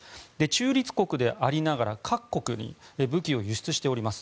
中立国でありながら各国に武器を輸出しております。